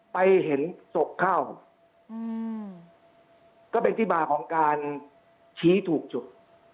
ไปเห็นศพเข้าก็เป็นที่มาของการชี้ถูกจุด